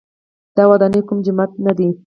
دا ودانۍ کوم جومات نه دی.